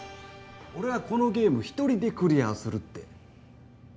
「俺はこのゲーム一人でクリアする」って。